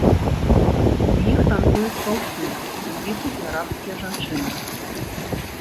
У іх танцуюць паўсюль, у тым ліку, і арабскія жанчыны.